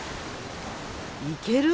いける？